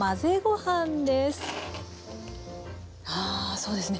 そうですね。